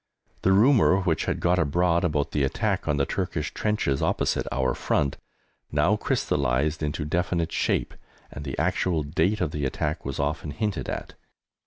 The rumour which had got abroad about the attack on the Turkish trenches opposite our front now crystallised into definite shape, and the actual date of the attack was often hinted at.